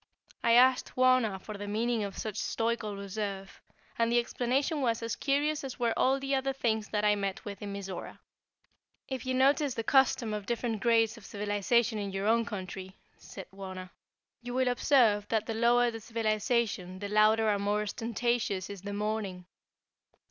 I asked Wauna for the meaning of such stoical reserve, and the explanation was as curious as were all the other things that I met with in Mizora. "If you notice the custom of different grades of civilization in your own country," said Wauna, "you will observe that the lower the civilization the louder and more ostentatious is the mourning.